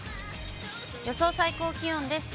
予想最高気温です。